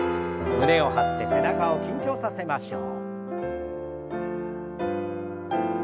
胸を張って背中を緊張させましょう。